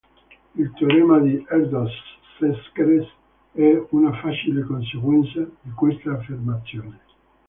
Il teorema di Erdős-Szekeres è una facile conseguenza di questa affermazione.